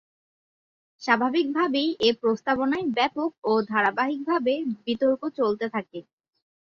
স্বাভাবিকভাবেই এ প্রস্তাবনায় ব্যাপক ও ধারাবাহিকভাবে বিতর্ক চলতে থাকে।